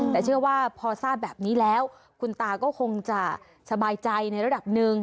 แต่เชื่อว่าพอทราบแบบนี้แล้วคุณตาก็คงจะสบายใจในระดับหนึ่ง